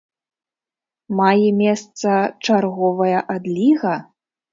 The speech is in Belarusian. Мае месца чарговая адліга?